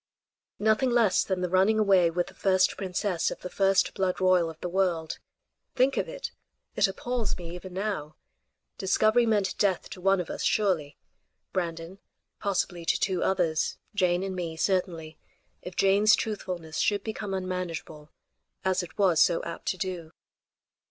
Nothing less than the running away with the first princess of the first blood royal of the world. Think of it! It appalls me even now. Discovery meant death to one of us surely Brandon; possibly to two others Jane and me; certainly, if Jane's truthfulness should become unmanageable, as it was so apt to do.